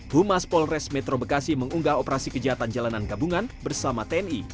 humas polres metro bekasi mengunggah operasi kejahatan jalanan gabungan bersama tni